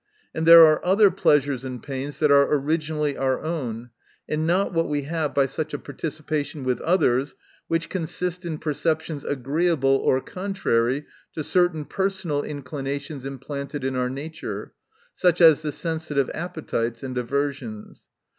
And there are other pleasures and pains that are originally our own, and not what we have by such a participation with others. Which consist in preemptions agreeable, or contrary, to certain personal inclina tions implanted in our nature; such as the sensitive appetites and aversions.